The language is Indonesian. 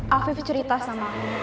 afif cerita sama aku